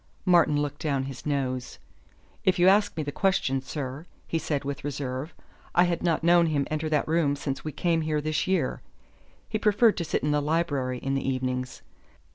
Martin looked down his nose. "If you ask me the question, sir," he said with reserve, "I had not known him enter that room since we came here this year. He preferred to sit in the library in the evenings.